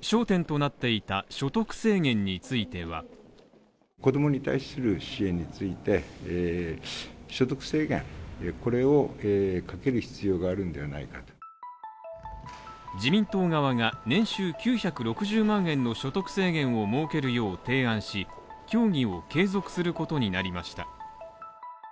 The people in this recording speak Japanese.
焦点となっていた所得制限については自民党側が年収９６０万円の所得制限を設けるよう提案し、協議を継続することになりました。